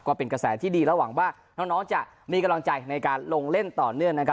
ก็เป็นกระแสที่ดีและหวังว่าน้องจะมีกำลังใจในการลงเล่นต่อเนื่องนะครับ